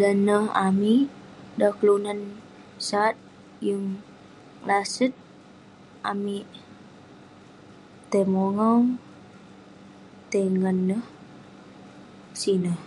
Dan neh amik, dan kelunan sat yeng laset ; amik tai mongau, tai ngan neh sineh.